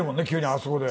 あそこで。